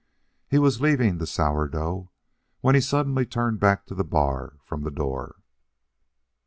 He was leaving the Sourdough, when he suddenly turned back to the bar from the door.